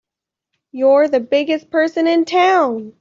You're the biggest person in town!